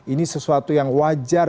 ini sesuatu yang wajar